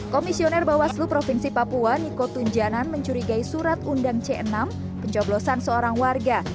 komisioner bawaslu provinsi papua niko tunjanan mencurigai surat undang c enam pencoblosan seorang warga